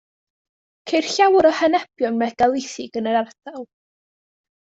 Ceir llawer o henebion megalithig yn yr ardal.